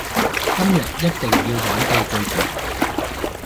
今日一定要玩到最盡！